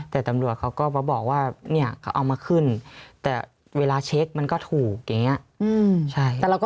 แต่ตำรวจเขาก็มาบอกว่าเนี่ยเขาเอามาขึ้นแต่เวลาเช็คมันก็ถูกอย่างนี้